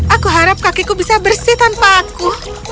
aku harap kakiku bisa bersih tanpa aku